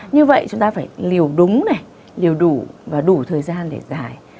như vậy chúng ta phải liều đúng liều đủ và đủ thời gian để giải